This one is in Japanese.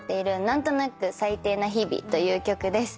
『なんとなく最低な日々』という曲です。